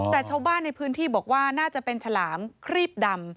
แต่ชาวบ้านในพื้นที่บอกว่าน่าจะเป็นฉลามครีบดำ